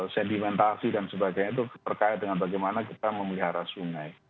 sedimentasi dan sebagainya itu terkait dengan bagaimana kita memelihara sungai